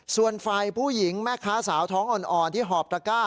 ส่วนฝ่ายผู้หญิงแม่ค้าสาวท้องอ่อนที่หอบตระก้า